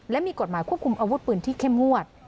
และมีกฎหมายควบคุมอาวุธปืนที่เข้มงวด